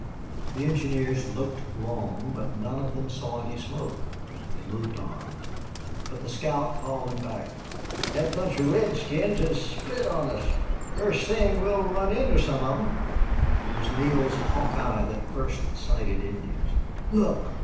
The engineers looked long, but none of them saw any smoke. They moved on. But the scout called them back. "Thet bunch of redskins has split on us. Fust thing we'll run into some of them." It was Neale's hawk eye that first sighted Indians. "Look!